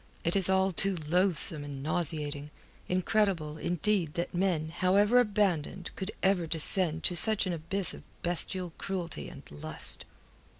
It is all too loathsome and nauseating, incredible, indeed, that men however abandoned could ever descend such an abyss of bestial cruelty and lust.